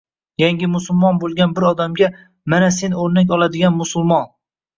yangi musulmon bo'lgan bir odamga «mana sen o'rnak oladigan musulmon»